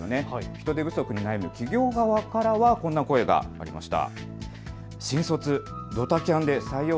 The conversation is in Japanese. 人手不足に悩む企業側からはこんな声がありました。